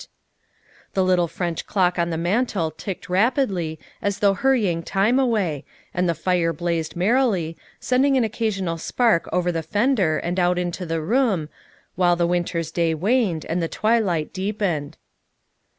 THE SECRETARY OF STATE 113 The little French clock on the mantel ticked rapidly as though hurrying time away, and the fire blazed merrily, sending an occasional spark over the fender and out into the room, while the winter's day waned and the twilight deepened.